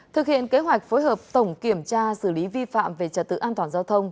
thực hiện kế hoạch phối hợp tổng kiểm tra xử lý vi phạm về trật tự an toàn giao thông